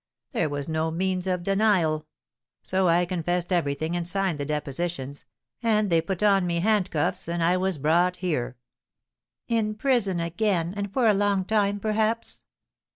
There was no means of denial; so I confessed everything and signed the depositions, and they put on me handcuffs, and I was brought here." "In prison again, and for a long time, perhaps?"